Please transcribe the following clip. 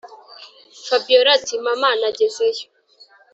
fabiora ati”mama nagezeyo